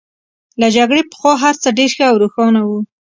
له جګړې پخوا هرڅه ډېر ښه او روښانه وو